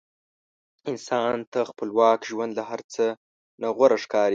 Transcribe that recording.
انسان ته خپلواک ژوند له هر څه نه غوره ښکاري.